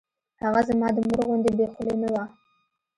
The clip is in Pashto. هغه زما د مور غوندې بې خولې نه وه.